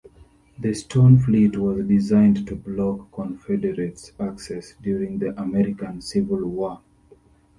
The Stone Fleet was designed to block Confederate access during the American Civil War.